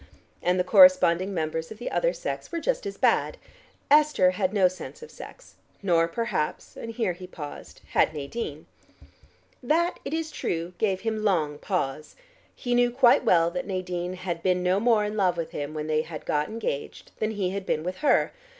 And the corresponding members of the other sex were just as bad: Esther had no sense of sex, nor perhaps, and here he paused, had Nadine. That, it is true, gave him long pause. He knew quite well that Nadine had been no more in love with him, when they had got engaged, than he had been with her.